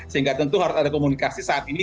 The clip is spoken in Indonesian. sehingga tentu harus ada komunikasi saat ini